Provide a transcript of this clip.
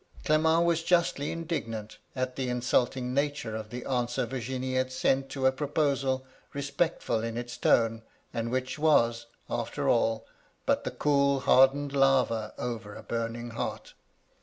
"Clement was justly indignant at the insulting nature of the answer Virginie had sent to a proposal, respectful in its tone, and which was, after all, but the cool, hardened lava over a burning heart.